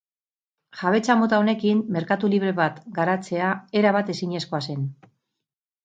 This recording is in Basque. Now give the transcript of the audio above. Jabetza mota honekin merkatu libre bat garatzea erabat ezinezkoa zen.